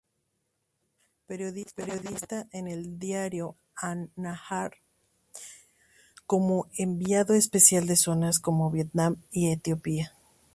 Periodista en el diario "An-Nahar", como enviado especial en zonas como Vietnam y Etiopía.